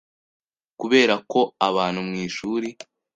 kubera ko abantu mwishuri